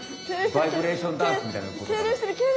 バイブレーションダンスみたいなことかな？